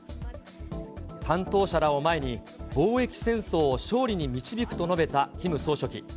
担当者らを前に、防疫戦争を勝利に導くと述べたキム総書記。